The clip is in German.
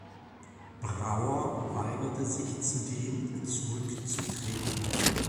Brauer weigerte sich zudem, zurückzutreten.